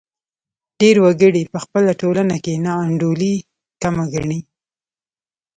ډېر وګړي په خپله ټولنه کې ناانډولي کمه ګڼي.